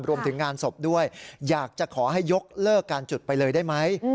รวมถึงงานศพด้วยอยากจะขอให้ยกเลิกการจุดไปเลยได้ไหม